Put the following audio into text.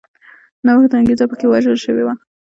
نوښت انګېزه په کې وژل شوې وه